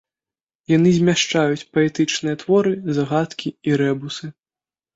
Яны змяшчаюць паэтычныя творы, загадкі і рэбусы.